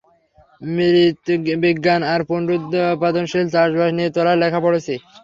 মৃৎবিজ্ঞান আর পুনরুৎপাদনশীল চাষাবাদ নিয়ে তোমার লেখা পড়েছি।